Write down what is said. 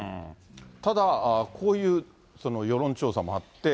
ただ、こういう世論調査もあって。